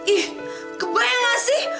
ih kebayang gak sih